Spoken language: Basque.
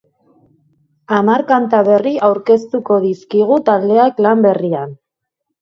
Hamar kanta berri aurkeztuko dizkigu taldeak lan berrian.